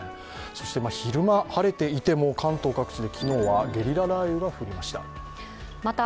そして昼間、晴れていても関東各地でもゲリラ豪雨が起こりました。